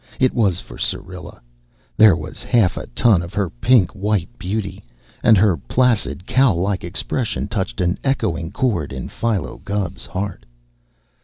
It was for Syrilla. There was half a ton of her pinky white beauty, and her placid, cow like expression touched an echoing chord in Philo Gubb's heart.